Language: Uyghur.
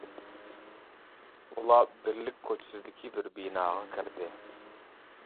ئۇلار «بىرلىك» كوچىسىدىكى بىر بىناغا كىردى.